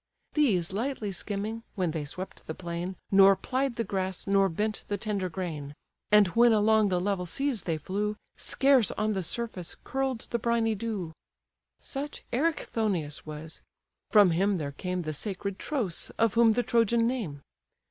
These lightly skimming, when they swept the plain, Nor plied the grass, nor bent the tender grain; And when along the level seas they flew, Scarce on the surface curl'd the briny dew. Such Erichthonius was: from him there came The sacred Tros, of whom the Trojan name.